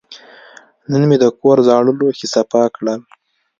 نن مې د کور زاړه لوښي صفا کړل.